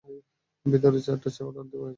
ভেতরে চারটা চা অর্ডার করা হয়েছে।